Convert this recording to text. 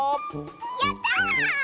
やった！